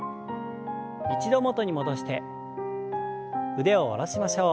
一度元に戻して腕を下ろしましょう。